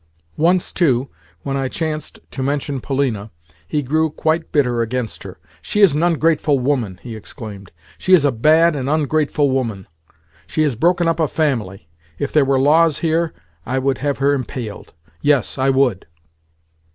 Once, too, when I chanced to mention Polina, he grew quite bitter against her. "She is an ungrateful woman!" he exclaimed. "She is a bad and ungrateful woman! She has broken up a family. If there were laws here, I would have her impaled. Yes, I would."